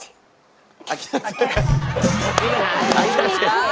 นี่ไม่ได้